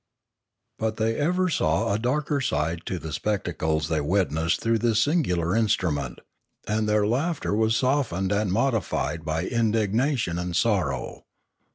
But they ever saw a darker side to the spectacles they witnessed through this singular instrument, and their laughter was softened and modified by indignation and sorrow.